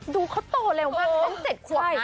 ดูเขาโตเร็วมากต้อง๗ขวบนะ